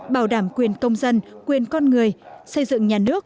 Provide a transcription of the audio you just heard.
bảo đảm quyền công dân quyền con người xây dựng nhà nước